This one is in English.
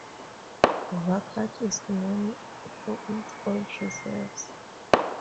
Vakaga is known for its oil reserves.